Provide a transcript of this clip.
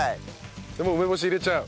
もう梅干し入れちゃう？